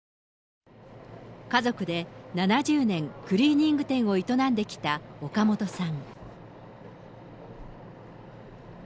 家族で７０年、クリーニング店を営んできた岡本さん。